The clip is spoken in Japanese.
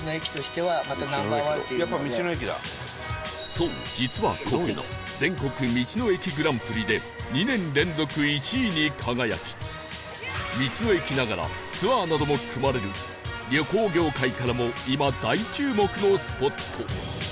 そう実はここ全国道の駅グランプリで２年連続１位に輝き道の駅ながらツアーなども組まれる旅行業界からも今大注目のスポット